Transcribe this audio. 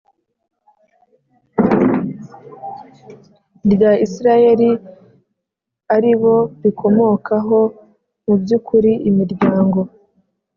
Rya isirayeli ari bo rikomokaho mu by ukuri imiryango